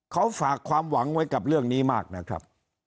เขาฝากความหวังไว้กับเรื่องนี้มากนะครับ